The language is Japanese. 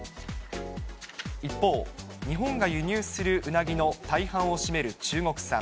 一方、日本が輸入するうなぎの大半を占める中国産。